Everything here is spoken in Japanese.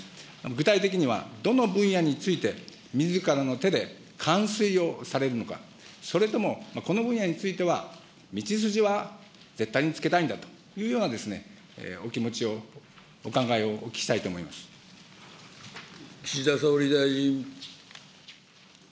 具体的にはどの分野について、みずからの手で完遂をされるのか、それともこの分野については、道筋は絶対につけたいんだというようなお気持ちを、お考えをお聞岸田総理大臣。